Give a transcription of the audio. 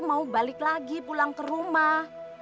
mau balik lagi pulang ke rumah